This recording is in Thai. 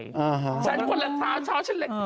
ฉันควรรันเท้าค่ะฉันแหละ